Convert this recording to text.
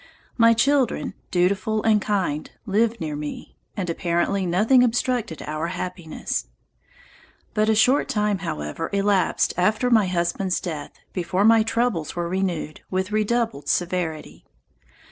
My children, dutiful and kind, lived near me, and apparently nothing obstructed our happiness. But a short time, however, elapsed after my husband's death, before my troubles were renewed with redoubled severity.